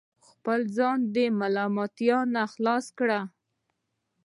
او خپل ځان د ملامتیا نه خلاص کړي